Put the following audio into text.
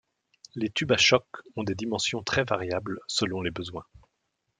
Les tubes à choc ont des dimensions très variables selon les besoins.